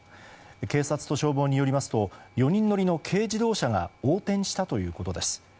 警察と消防によりますと４人乗りの軽自動車が横転したということです。